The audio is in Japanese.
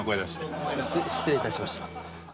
失礼いたしました。